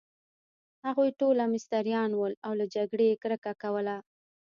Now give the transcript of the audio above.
هغوی ټوله مستریان ول، او له جګړې يې کرکه کول.